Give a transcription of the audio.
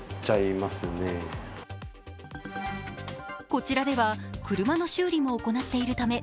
こちらでは車の修理も行っているため